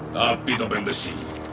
tapi topeng besi